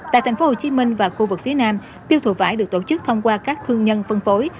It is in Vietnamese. tại tp hcm và khu vực phía nam tiêu thụ vải được tổ chức thông qua các thương nhân phân phối